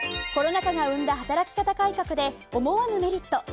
コロナ禍が生んだ働き方改革で思わぬメリット。